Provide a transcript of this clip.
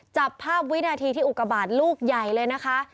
จับภาพวินาทีที่อุกบาทลูกใหญ่เลยนะคะ